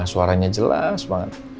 suaranya jelas banget